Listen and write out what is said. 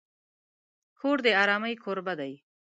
کور د آرامۍ کوربه دی.